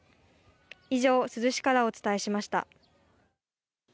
以上、珠洲市からお伝えしました。